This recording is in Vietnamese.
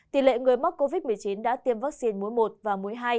tỷ lệ người mắc covid một mươi chín đã tiêm vaccine mối một và mối hai